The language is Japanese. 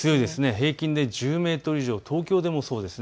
平均で１０メートル以上、東京でもそうですね。